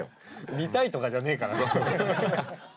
見たいとかじゃねえから。